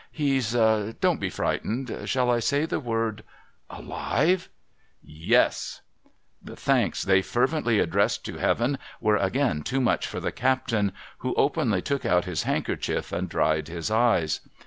He's —' don't be frightened — shall I say the word '* Alive ?'' Yes !' The thanks they fervently addressed to Heaven were again too much for the captain, who openly took out his handkerchief and dried his eyes.